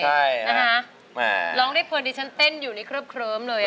ไม่เป็นไรเผื่อดีฉันเต้นอยู่ในเคลือบเลยอ่ะ